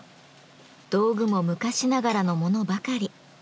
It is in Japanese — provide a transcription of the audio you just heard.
道具も昔ながらのものばかり。